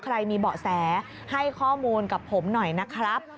ใครมีเบาะแสให้ข้อมูลกับผมหน่อยนะครับ